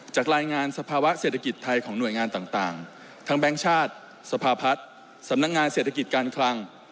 รายงานสภาวะเศรษฐกิจไทยของหน่วยงานต่างทั้งแบงค์ชาติสภาพัฒน์สำนักงานเศรษฐกิจการคลัง